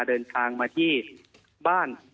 เดินทางมาที่บ้าน